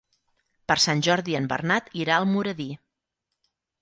Per Sant Jordi en Bernat irà a Almoradí.